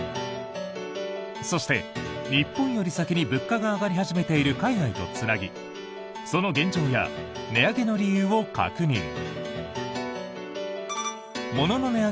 そして、日本より先に物価が上がり始めている海外とつなぎその現状や値上げの理由を確認。